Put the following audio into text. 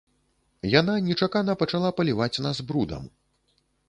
Яна нечакана пачала паліваць нас брудам.